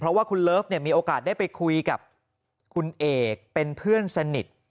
เพราะว่าคุณเลิฟเนี่ยมีโอกาสได้ไปคุยกับคุณเอกเป็นเพื่อนสนิท